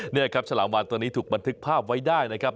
นี่ครับฉลามวานตัวนี้ถูกบันทึกภาพไว้ได้นะครับ